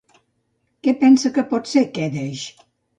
Què pensa que pot ser Quèdeix?